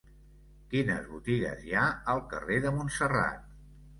Quines botigues hi ha al carrer de Montserrat?